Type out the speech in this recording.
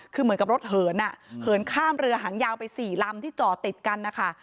คือเหมือนกับรถเหินอ่ะเหินข้ามเรือหางยาวไป๔ลำที่จอดติดกันนะคะ